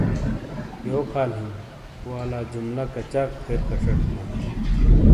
"یوک حال ہیں" والا جملہ کچا پھیر کچٹ تھون؟